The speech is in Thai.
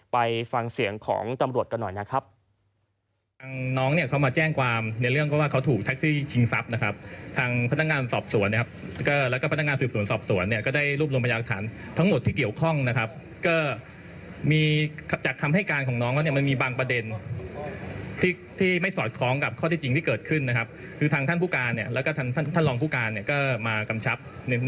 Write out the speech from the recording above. ไปฟังเสียงของตำรวจกันหน่อยนะครับ